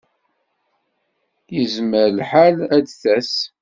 Izmer lḥal ad d-tas.